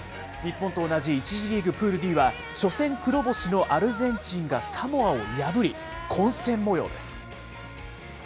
日本と同じ１次リーグプールＤは、初戦黒星のアルゼンチンがサモアを破り、混戦もようです。